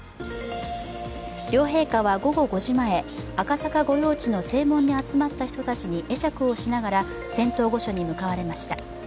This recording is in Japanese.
両陛下は午後５時前、赤坂御用地の正門に集まった人たちに会釈をしながら、仙洞御所に向かわれました。